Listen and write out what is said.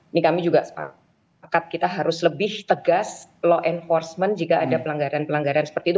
ini kami juga sepakat kita harus lebih tegas law enforcement jika ada pelanggaran pelanggaran seperti itu